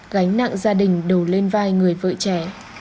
gánh nặng gia đình đổ lên vai người vợ trẻ